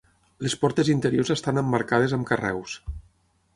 Les portes interiors estan emmarcades amb carreus.